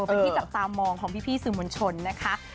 เป็นที่จับตามองของพี่สื่อมวลชนนะคะ